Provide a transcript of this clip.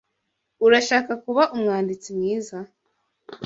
Urashaka kuba umwanditsi mwiza?